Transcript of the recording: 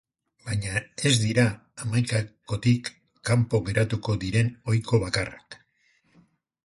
Baina ez dira hamaikakotik kanpo geratuko diren ohiko bakarrak.